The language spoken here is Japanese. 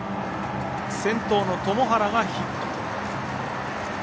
先頭の塘原がヒット。